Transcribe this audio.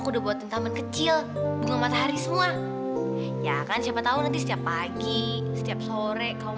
aku udah buatin taman kecil bunga matahari semua ya kan siapa tahu nanti setiap pagi setiap sore kau